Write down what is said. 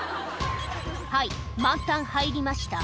「はい満タン入りました」